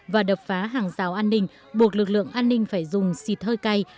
và đập phá hàng rào an ninh buộc lực lượng an ninh phải dùng xịt hơi cay